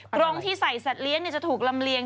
กรงที่ใส่สัตว์เลี้ยงจะถูกลำเลียง